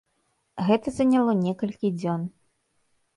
Гэта заняло некалькі дзён.